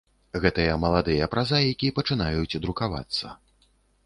Гэтыя маладыя празаікі пачынаюць друкавацца.